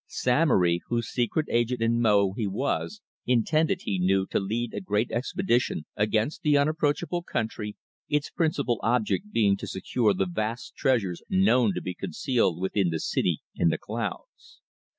Samory, whose secret agent in Mo he was, intended, he knew, to lead a great expedition against the unapproachable country, its principal object being to secure the vast treasures known to be concealed within the City in the Clouds.